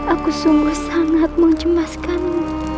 aku sungguh sangat mengemaskanmu